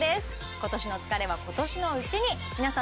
今年の疲れは今年のうちに皆さん